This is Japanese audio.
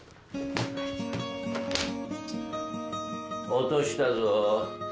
落としたぞ。